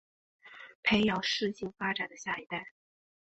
培养适性发展的下一代